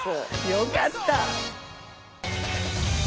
よかった！